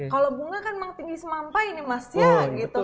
kalau bunga kan emang tinggi semampai nih mas ya gitu